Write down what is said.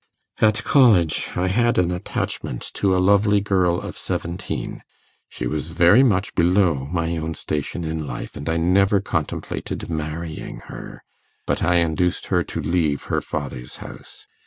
At college I had an attachment to a lovely girl of seventeen; she was very much below my own station in life, and I never contemplated marrying her; but I induced her to leave her father's house.